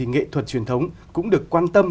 nghệ thuật truyền thống cũng được quan tâm